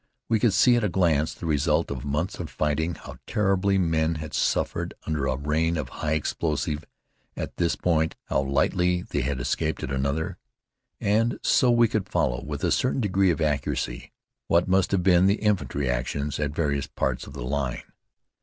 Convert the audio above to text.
We could see at a glance the result of months of fighting; how terribly men had suffered under a rain of high explosives at this point, how lightly they had escaped at another; and so we could follow, with a certain degree of accuracy, what must have been the infantry actions at various parts of the line.